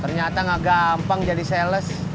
ternyata gak gampang jadi sales